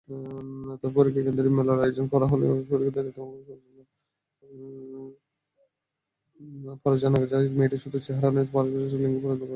পরে জানা যায়, মেয়েটি শুধু চেহারাই নয়, পাশাপাশি লিঙ্গও পরিবর্তন করেছে।